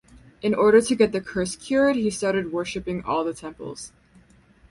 In order to get the curse cured he started worshipping all the temples.